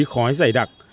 khói dày đặc